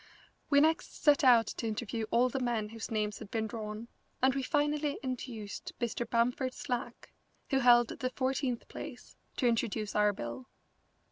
We next set out to interview all the men whose names had been drawn, and we finally induced Mr. Bamford Slack, who held the fourteenth place, to introduce our bill.